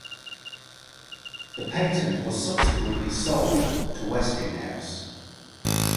This patent was subsequently sold to Westinghouse.